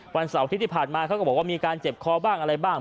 วันเสาร์อาทิตย์ที่ผ่านมาเขาก็บอกว่ามีการเจ็บคอบ้างอะไรบ้าง